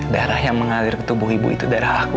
darah yang mengalir ke tubuh ibu itu darah aku